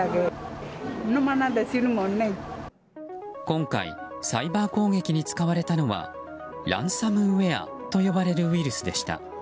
今回サイバー攻撃に使われたのはランサムウェアと呼ばれるウイルスでした。